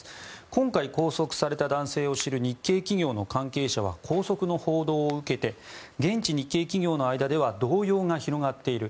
今回拘束された男性を知る日系企業の関係者は拘束の報道を受けて現地日系企業の間では動揺が広がっている。